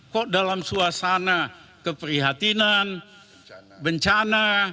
kok dalam suasana keprihatinan bencana